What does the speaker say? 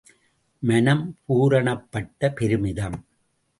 மனம் பூரணப்பட்ட பெருமிதம்.